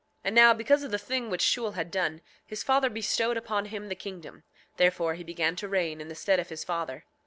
7:10 And now because of the thing which Shule had done, his father bestowed upon him the kingdom; therefore he began to reign in the stead of his father.